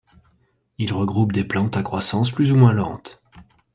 Il regroupe des plantes à croissance plus ou moins lente.